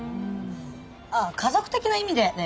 あっ家族的な意味でだよね？